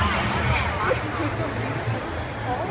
สวัสดีครับทุกคน